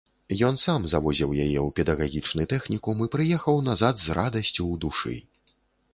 Ён сам завозіў яе ў педагагічны тэхнікум і прыехаў назад з радасцю ў душы.